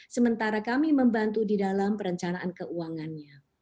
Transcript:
sementara kami membantu di dalam perencanaan keuangannya